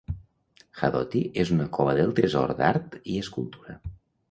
Hadoti és una cova del tresor d'art i escultura.